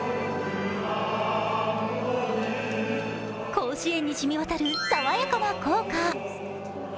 甲子園に染み渡る爽やかな校歌。